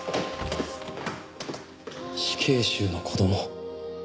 死刑囚の子供。